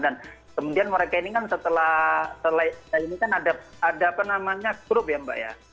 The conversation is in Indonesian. dan kemudian mereka ini kan setelah ini kan ada apa namanya grup ya mbak ya